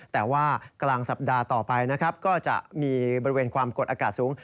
แต่ว่ากลางสัปดาห์ต่อไปนะครับก็จะมีบริเวณความกดอากาศสูง